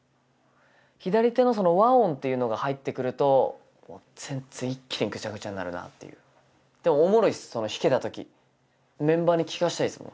左手の和音っていうのが入ってくるともう全然一気にぐちゃぐちゃになるなっていうでもおもろいっす弾けた時メンバーに聴かしたいですもん